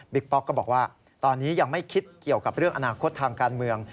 ป๊อกก็บอกว่าตอนนี้ยังไม่คิดเกี่ยวกับเรื่องอนาคตทางการเมือง